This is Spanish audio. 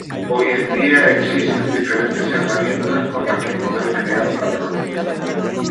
Hoy en día existen diferentes herramientas con las que poder crear patrones.